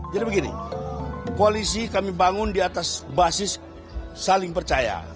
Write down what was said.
jadi begini koalisi kami bangun di atas basis saling percaya